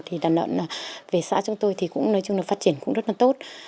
thì đàn lợn về xã chúng tôi thì cũng nói chung là phát triển cũng rất là tốt